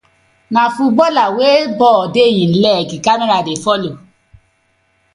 Na footballer wey ball dey im leg camera dey follow.